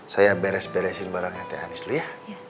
saya beres beresin barangnya teh anies dulu ya